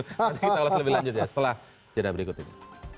nanti kita ulas lebih lanjut ya setelah jeda berikut ini